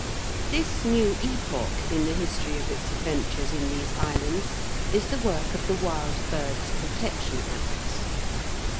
This new epoch in the history of its adventures in these islands is the work of the Wild Birds' Protection Acts.